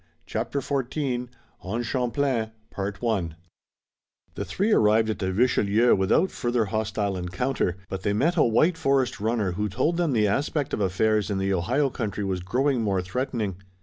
CHAPTER XIV ON CHAMPLAIN The three arrived at the Richelieu without further hostile encounter, but they met a white forest runner who told them the aspect of affairs in the Ohio country was growing more threatening.